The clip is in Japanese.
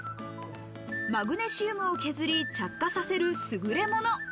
マグネシウムを削り着火させるすぐれもの。